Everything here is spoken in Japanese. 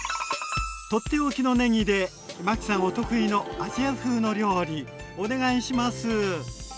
とっておきのねぎでマキさんお得意のアジア風の料理お願いします！